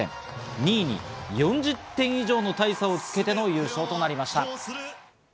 ２位に４０点以上の大差をつけての優勝となりました。